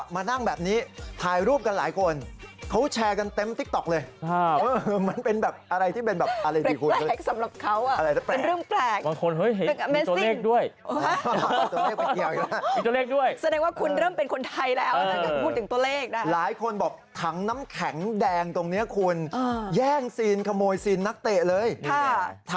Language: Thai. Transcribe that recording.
บางคนก็แซวนะบอกว่าต้องพาถังน้ำแข็งเนี่ยกลับอังกฤษด้วยแล้วล่ะ